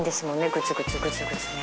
グツグツグツグツね